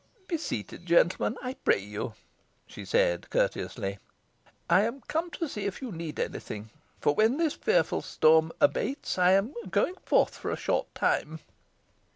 "Be seated, gentlemen, I pray you," she said, courteously. "I am come to see if you need any thing; for when this fearful storm abates, I am going forth for a short time."